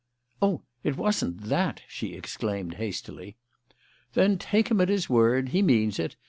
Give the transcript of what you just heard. "Oh, it wasn't that!" she exclaimed hastily. "Then take him at his word. He means it.